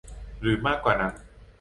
หรือมากกว่านั้น